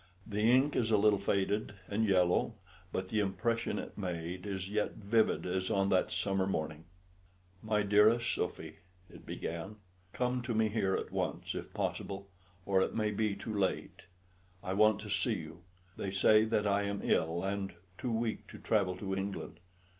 The ink is a little faded and yellow, but the impression it made is yet vivid as on that summer morning. "MY DEAREST SOPHY," it began, "Come to me here at once, if possible, or it may be too late. I want to see you. They say that I am ill, and too weak to travel to England.